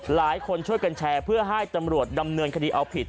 หลายคนช่วยกันแชร์เพื่อให้ตำรวจดำเนินคดีเอาผิด